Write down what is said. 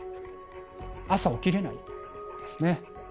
朝起きれないんですね。